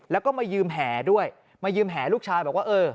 แล้วก็มายืมแห่ด้วยมายืมแห่ลูกชายบอกว่าเออ